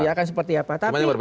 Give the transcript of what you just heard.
akan seperti apa